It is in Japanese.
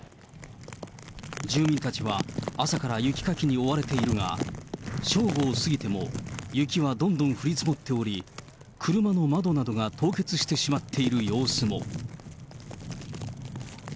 住民たちは、朝から雪かきに追われているが、正午を過ぎても雪はどんどん降り積もっており、車の窓などが凍結してしまっている様子も。